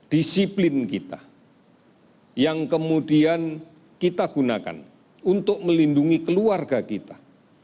disiplin kita yang kemudian kita gunakan untuk melindungi keluarga kita